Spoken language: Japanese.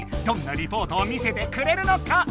どんなリポートを見せてくれるのか？